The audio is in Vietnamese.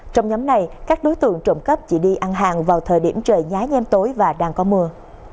trong nhóm này các đối tượng trộm cắp chỉ đi ăn hàng vào thời điểm trời nhái nhem tối và đang có mưa